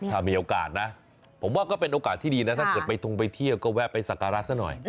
ถ้ามีโอกาสนะผมว่าก็เป็นโอกาสที่ดีนะถ้าเกิดไปทงไปเที่ยวก็แวะไปสักการะซะหน่อย